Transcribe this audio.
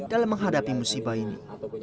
dalam menghadapi musibah ini